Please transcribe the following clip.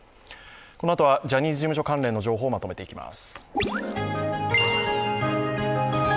このあとはジャニーズ事務所関連の情報をまとめていきます。